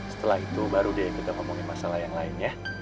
setelah itu baru deh kita ngomongin masalah yang lainnya